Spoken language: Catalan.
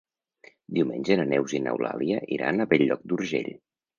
Diumenge na Neus i n'Eulàlia iran a Bell-lloc d'Urgell.